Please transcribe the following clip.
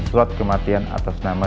surat kematian atas nama